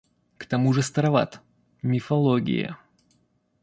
К тому ж староват — мифология.